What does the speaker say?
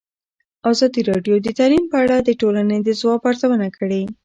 ازادي راډیو د تعلیم په اړه د ټولنې د ځواب ارزونه کړې.